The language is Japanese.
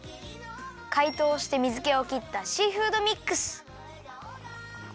かいとうして水けを切ったシーフードミックス。